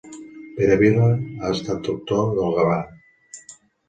Pere Vila ha estat doctor del Gavà.